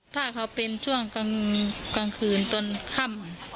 ถ้าเขาเป็นช่วงกลางคืนตอนค่ำ